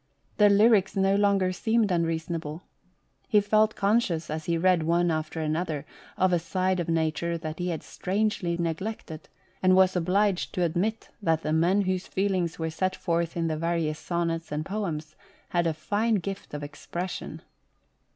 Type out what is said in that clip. The lyrics no longer seemed unreasonable. He felt conscious, as he read one after another, of a side of nature that he had strangely neglected, and was obliged to admit that the men whose feelings were set forth in the various sonnets and poems had a fine gift of expression.